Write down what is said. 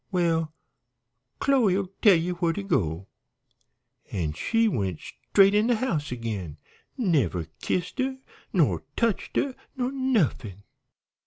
'Well, Chloe'll tell ye where to go,' an' she went straight in de house agin. Never kissed her, nor touched her, nor nuffin!